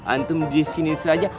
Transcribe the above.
antum disini saja